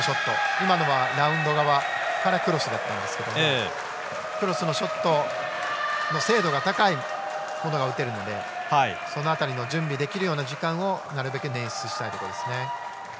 今のはランド側からクロスだったんですけどクロスのショットの精度が高いものが打てるのでその辺りの準備できるような時間をなるべく捻出したいところですね。